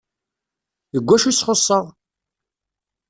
Deg wacu i sxuṣṣeɣ?